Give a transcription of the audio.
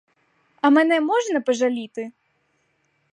А мене можна пожаліти!